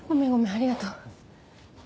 ありがとう。